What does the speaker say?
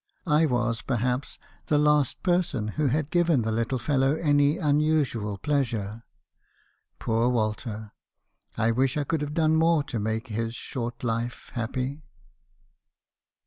I was, perhaps, the last person who had given the little fellow any unusual pleasure. Poor Walter! I wish I could have done more to make his short life happy!